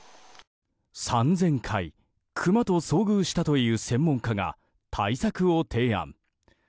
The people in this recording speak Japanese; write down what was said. ３０００回クマと遭遇したという専門家が対策を提案。